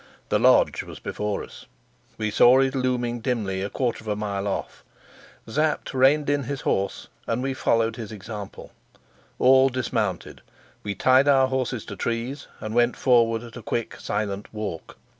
The lodge was before us; we saw it looming dimly a quarter of a mile off. Sapt reined in his horse, and we followed his example. All dismounted, we tied our horses to trees and went forward at a quick, silent walk.